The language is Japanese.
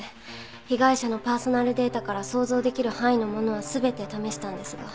被害者のパーソナルデータから想像できる範囲のものは全て試したんですが。